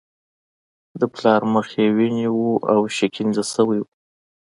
د پلار مخ یې وینې و او شکنجه شوی و